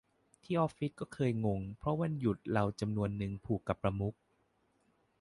ที่ออฟฟิศก็เคยงง เพราะวันหยุดเราจำนวนนึงผูกกับประมุข